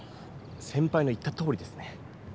先ぱいの言ったとおりですね。